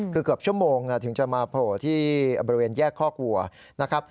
คือเกือบชั่วโมงถึงจะมาโผล่ที่บริเวณแยกคอกวัวนะครับ